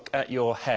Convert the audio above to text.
はい。